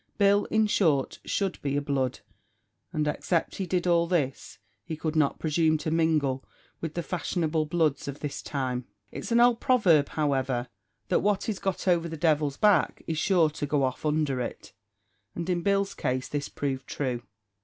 Bill, in short, should be a blood, and except he did all this, he could not presume to mingle with the fashionable bloods of his time. It's an old proverb, however, that "what is got over the devil's back is sure to go off under it;" and in Bill's case this proved true.